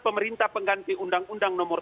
pemerintah pengganti undang undang nomor